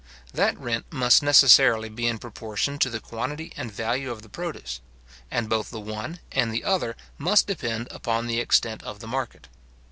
That rent must necessarily be in proportion to the quantity and value of the produce; and both the one and the other must depend upon the extent of the market.